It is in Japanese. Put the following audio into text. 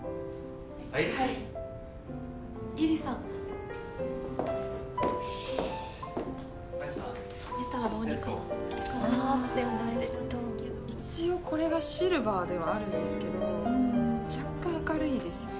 はい百合さんよしっ染めたらどうにかなんないかなって思ってるんですけど一応これがシルバーではあるんですけど若干明るいですよね？